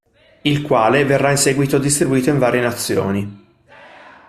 Il quale, verrà in seguito distribuito in varie nazioni.